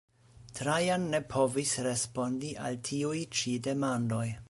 Trajan ne povis respondi al tiuj ĉi demandoj.